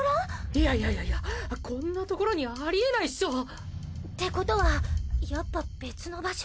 いやいやいやいやこんな所にありえないっしょ。ってことはやっぱ別の場所？